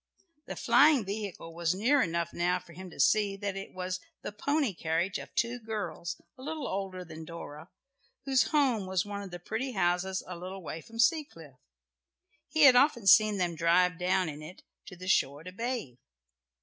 The flying vehicle was near enough now for him to see that it was the pony carriage of two girls, a little older than Dora, whose home was one of the pretty houses a little way from Seacliff. He had often seen them drive down in it to the shore to bathe.